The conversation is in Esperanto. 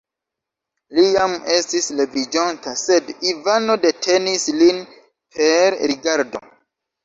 Li jam estis leviĝonta, sed Ivano detenis lin per rigardo.